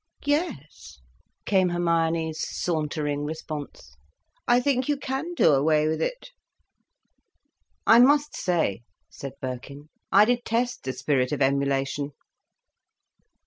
"Yes," came Hermione's sauntering response. "I think you can do away with it." "I must say," said Birkin, "I detest the spirit of emulation."